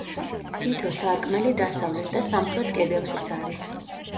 თითო სარკმელი დასავლეთ და სამხრეთ კედელშიც არის.